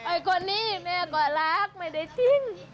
ไอ้คนนี้แม่ก็รักไม่ได้ทิ้ง